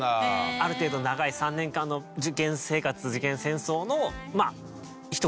ある程度長い３年間の受験生活受験戦争のまあひと区切り。